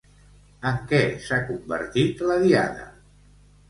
En què s'ha convertit la diada?